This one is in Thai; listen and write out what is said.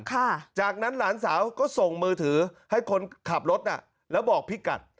จากนั้นหลานสาวก็ส่งมือถือให้คนขับรถน่ะแล้วบอกพี่กัด